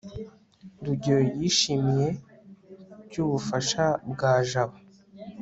rugeyo yishimiye cy ubufasha bwa jabo